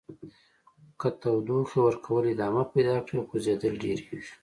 که تودوخې ورکول ادامه پیدا کړي خوځیدل ډیریږي.